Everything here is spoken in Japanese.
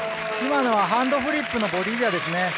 ハンドフリップのボディーエアですね。